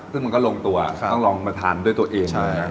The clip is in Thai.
ซึ่งมันก็ลงตัวต้องลองมาทานด้วยตัวเอง